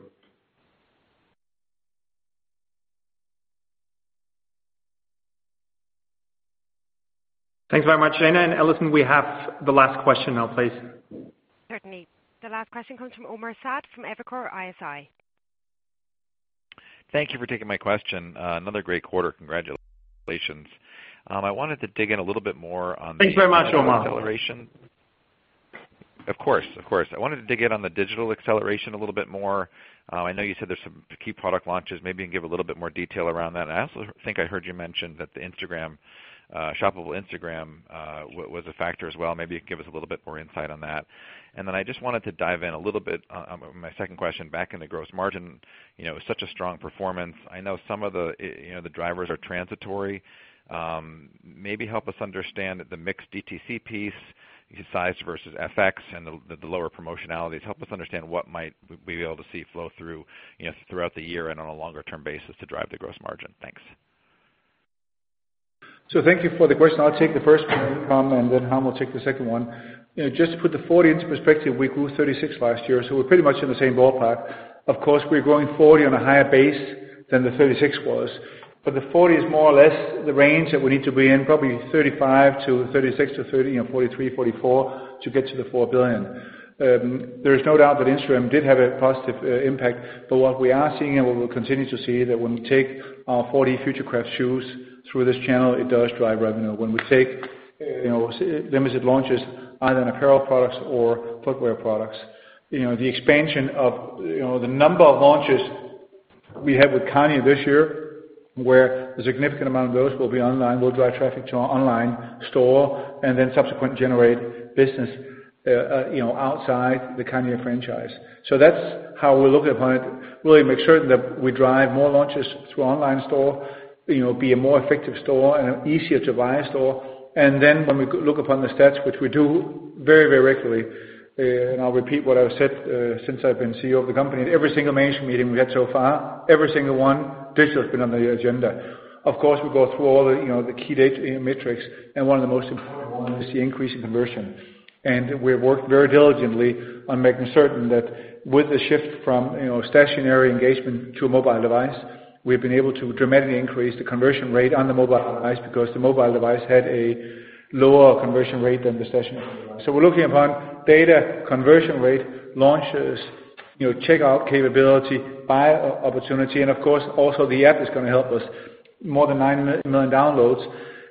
Thanks very much, Jayne and Allison, we have the last question now, please. Certainly. The last question comes from Omar Saad from Evercore ISI. Thank you for taking my question. Another great quarter. Congratulations. Thanks very much, Omar. Of course. I wanted to dig in on the digital acceleration a little bit more. I know you said there's some key product launches. Maybe you can give a little bit more detail around that. I also think I heard you mention that the shoppable Instagram, was a factor as well. Maybe you can give us a little bit more insight on that. I just wanted to dive in a little bit, my second question, back in the gross margin, such a strong performance. I know some of the drivers are transitory. Maybe help us understand the mixed D2C piece, size versus FX and the lower promotionality. Help us understand what we'll be able to see flow through throughout the year and on a longer-term basis to drive the gross margin. Thanks. Thank you for the question. I'll take the first one, Omar, and then Harm will take the second one. Just to put the 40 into perspective, we grew 36 last year, so we're pretty much in the same ballpark. Of course, we're growing 40 on a higher base than the 36 was, but the 40 is more or less the range that we need to be in, probably 35%-36% to 43%-44% to get to the 4 billion. There is no doubt that Instagram did have a positive impact. What we are seeing and what we'll continue to see is that when we take our 4D Futurecraft shoes through this channel, it does drive revenue. When we take limited launches, either on apparel products or footwear products, the expansion of the number of launches we have with Kanye this year, where a significant amount of those will be online, will drive traffic to our online store and subsequently generate business outside the Kanye franchise. That's how we're looking upon it. Really make certain that we drive more launches through our online store, be a more effective store and an easier to buy store. When we look upon the stats, which we do very regularly, I'll repeat what I've said since I've been CEO of the company. At every single management meeting we've had so far, every single one, digital's been on the agenda. Of course, we go through all the key metrics, and one of the most important one is the increase in conversion. We've worked very diligently on making certain that with the shift from stationary engagement to a mobile device, we've been able to dramatically increase the conversion rate on the mobile device because the mobile device had a lower conversion rate than the stationary device. We're looking upon data conversion rate launches, checkout capability, buy opportunity, and of course, also the app is going to help us. More than nine million downloads.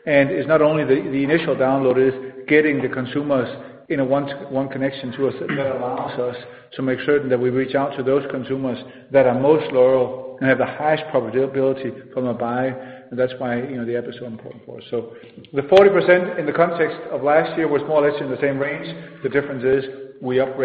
It's not only the initial download, it is getting the consumers in one connection to us that allows us to make certain that we reach out to those consumers that are most loyal and have the highest probability of buying. That's why the app is so important for us. The 40% in the context of last year was more or less in the same range. The difference is we upgraded